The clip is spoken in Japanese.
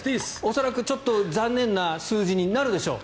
恐らく残念な数字になるでしょう。